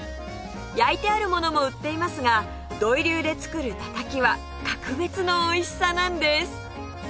焼いてあるものも売っていますが土井流で作るたたきは格別のおいしさなんです！